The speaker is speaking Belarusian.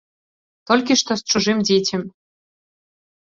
Толькі што з чужым дзіцем.